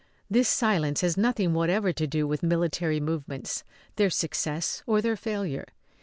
This silence has nothing whatever to do with military movements, their success or their failure.